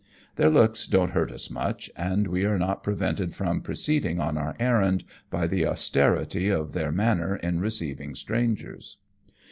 Their looks don't hurt us much, and we are not prevented from proceeding on our errand by the austerity of their manner in receiving strangers.